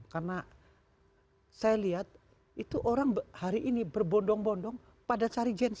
karena saya lihat itu orang hari ini berbondong bondong pada cari genset